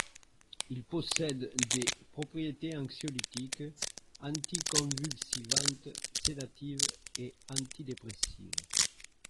Il possède des propriétés anxiolytiques, anticonvulsivantes, sédatives, et antidépressives.